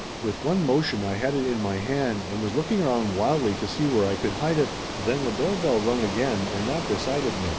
With one motion I had it in my hand, and was looking around wildly to see where I could hide it. Then the doorbell rung again, and that decided me.